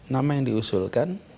nama yang diusulkan